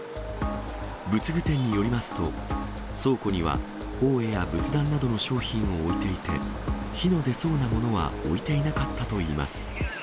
仏具店によりますと、倉庫には法衣や仏壇などの商品を置いていて、火の出そうなものは置いていなかったといいます。